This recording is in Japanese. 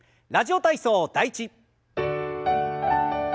「ラジオ体操第１」。